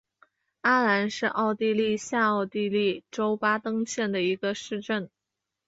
阿兰是奥地利下奥地利州巴登县的一个市镇。